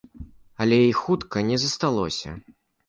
Але і іх хутка не засталося.